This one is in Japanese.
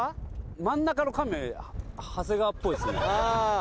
真ん中の亀長谷川っぽいですね。